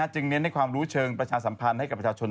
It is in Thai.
เน้นในความรู้เชิงประชาสัมพันธ์ให้กับประชาชน